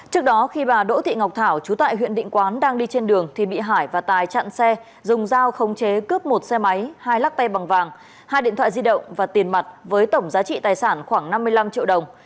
trước đó khi bà đỗ thị ngọc thảo chú tại huyện định quán đang đi trên đường thì bị hải và tài chặn xe dùng dao khống chế cướp một xe máy hai lắc tay bằng vàng hai điện thoại di động và tiền mặt với tổng giá trị tài sản khoảng năm mươi năm triệu đồng